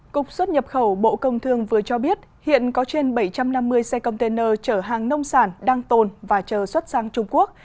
cục xuất nhập khẩu bộ công thương vừa cho biết hiện có trên bảy trăm năm mươi xe container chở hàng nông sản đang tồn và chờ xuất sang trung quốc